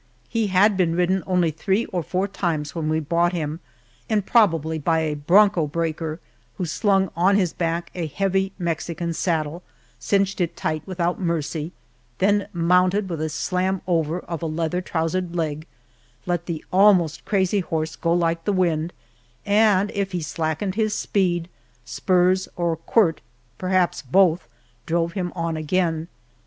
He had been ridden only three or four times when we bought him, and probably by a "bronco breaker," who slung on his back a heavy Mexican saddle, cinched it tight without mercy, then mounted with a slam over of a leather trousered leg, let the almost crazy horse go like the wind, and if he slackened his speed, spurs or "quirt," perhaps both, drove him on again.